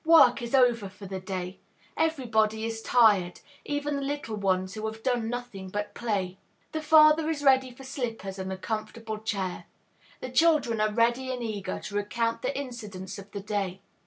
Work is over for the day; everybody is tired, even the little ones who have done nothing but play. The father is ready for slippers and a comfortable chair; the children are ready and eager to recount the incidents of the day.